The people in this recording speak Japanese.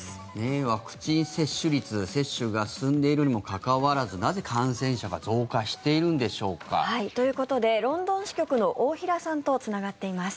ワクチン接種率接種が進んでいるにもかかわらずなぜ、感染者が増加しているんでしょうか。ということでロンドン支局の大平さんとつながっています。